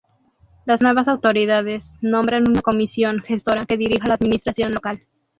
Las nuevas autoridades nombran una comisión gestora que dirija la administración local.